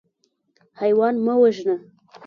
حیوان مه وژنه.